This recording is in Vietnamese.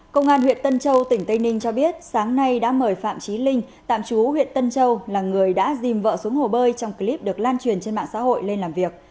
công an huyện tân châu tỉnh tây ninh cho biết sáng nay đã mời phạm trí linh tạm chú huyện tân châu là người đã dìm vợ xuống hồ bơi trong clip được lan truyền trên mạng xã hội lên làm việc